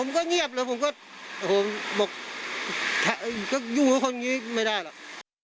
ผมก็เงียบเลยผมก็อยู่กับคนอย่างนี้ไม่ได้หรอก